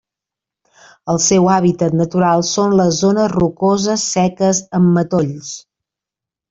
El seu hàbitat natural són les zones rocoses seques amb matolls.